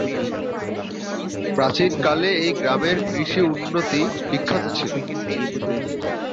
প্রাচীন কালে এই গ্রামের কৃষি উন্নতি বিখ্যাত ছিল।